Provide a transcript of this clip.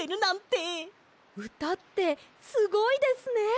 うたってすごいですね！